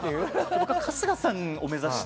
僕は春日さんを目指して。